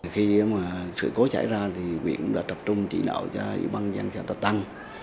khi mà sự cố chảy ra thì huyện đã tập trung chỉ đạo cho ủy ban dân trà tân